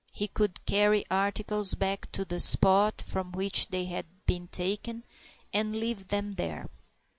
He could carry articles back to the spot from which they had been taken and leave them there.